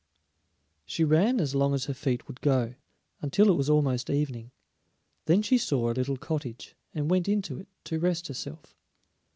She ran as long as her feet would go, until it was almost evening; then she saw a little cottage, and went into it to rest herself.